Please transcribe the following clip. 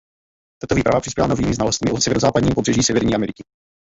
Tato výprava přispěla novými znalostmi o severozápadním pobřeží Severní Ameriky.